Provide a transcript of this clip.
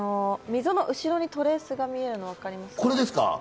溝の後ろにトレースが見えるのわかりますか？